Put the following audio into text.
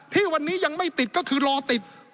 ที่วันนี้ยังไม่ติดก็คือรอติด